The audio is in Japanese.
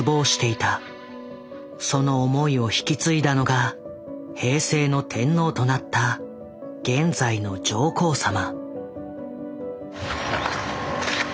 その思いを引き継いだのが平成の天皇となった現在の上皇様。